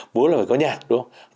mùa là phải có nhạc đúng không